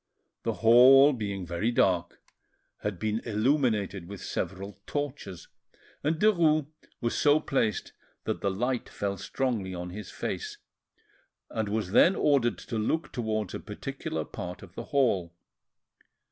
The hall being very dark, had been illuminated with several torches, and Derues was so placed that the light fell strongly on his face, and was then ordered to look towards a particular part of the hall.